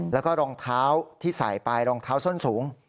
แล้วก็รองเท้าที่ใส่ไปรองเท้าส้นสูง